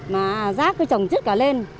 mà rác cứ trồng chứt cả lên